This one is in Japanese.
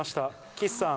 岸さん